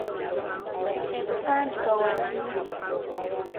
E'buvanjuba walannyo.